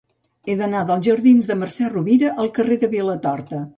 He d'anar dels jardins de Mercè Rovira al carrer de Vilatorta.